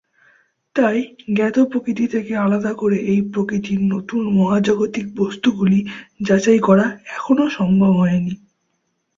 তাই জ্ঞাত প্রকৃতির থেকে আলাদা করে এই প্রকৃতির নতুন মহাজাগতিক বস্তুগুলি যাচাই করা এখনও সম্ভব হয়নি।